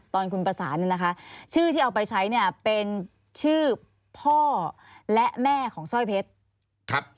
ตอนคุณประสานเนี่ยนะคะชื่อที่เอาไปใช้เนี่ยเป็นชื่อพ่อและแม่ของสร้อยเพชรครับ